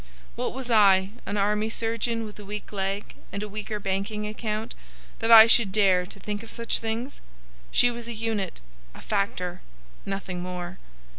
What was I, an army surgeon with a weak leg and a weaker banking account, that I should dare to think of such things? She was a unit, a factor,—nothing more.